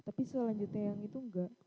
tapi selanjutnya yang itu enggak